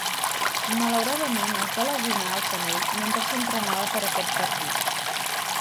Malauradament, es va lesionar el canell mentre s'entrenava per a aquest partit.